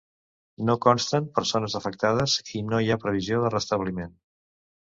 No consten persones afectades i no hi ha previsió de restabliment.